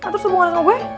terus hubungan lo sama gue